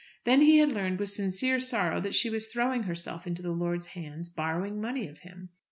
Then he had learned with sincere sorrow that she was throwing herself into the lord's hands, borrowing money of him.